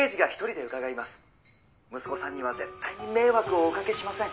「息子さんには絶対に迷惑をおかけしません」